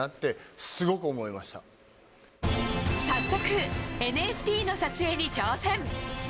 早速、ＮＦＴの撮影に挑戦。